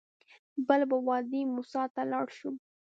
بل به وادي موسی ته لاړ شو.